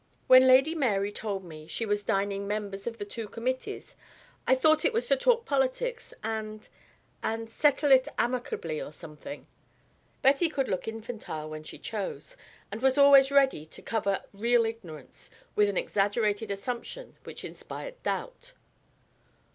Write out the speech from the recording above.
When Lady Mary told me she was dining members of the two Committees, I thought it was to talk politics, and and settle it amicably or something." Betty could look infantile when she chose, and was always ready to cover real ignorance with an exaggerated assumption which inspired doubt.